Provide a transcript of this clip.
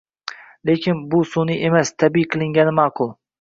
Lekin, bu sun’iy emas, tabiiy qilingani ma’qul.